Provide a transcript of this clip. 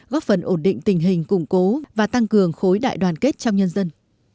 góp phần ổn định tình hình củng cố và tăng cường khối đại đoàn kết trong nhân dân